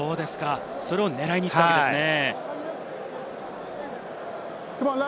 それを狙いにいったわけですね。